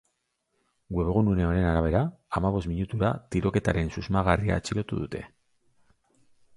Webgune honen arabera, hamabost minutura tiroketaren susmagarria atxilotu dute.